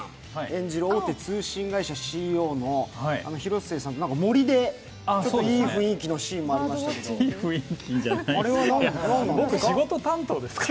演じる大手食品会社のＣＥＯの広末さんと森でいい雰囲気のシーンもありましたけれども、あれは何ですか？